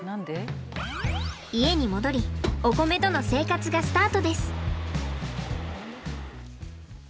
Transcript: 家に戻りおこめとの生活がスタートです。